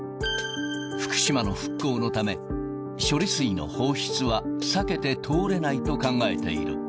福島の復興のため、処理水の放出は避けて通れないと考えている。